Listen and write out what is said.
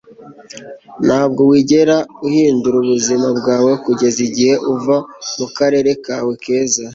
ntabwo wigera uhindura ubuzima bwawe kugeza igihe uva mukarere kawe keza